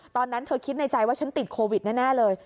ตอนนั้นเธอคิดในใจว่าฉันติดโควิดแน่เลย